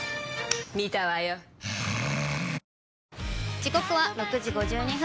時刻は６時５２分。